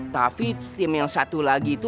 tapi tim yang satu lagi itu